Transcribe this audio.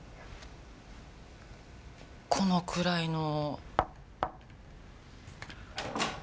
このくらいの。